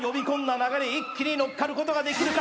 流れ一気に乗っかることができるか？